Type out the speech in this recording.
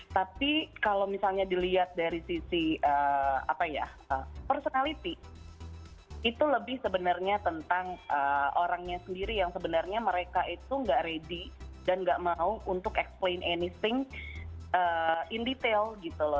tapi kalau misalnya dilihat dari sisi personality itu lebih sebenarnya tentang orangnya sendiri yang sebenarnya mereka itu enggak ready dan enggak mau untuk explain anything in detail